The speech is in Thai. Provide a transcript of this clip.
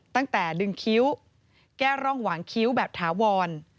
ตั้งแต่ดึงคิ้วแก้ร่องหวางคิ้วแบบถาวร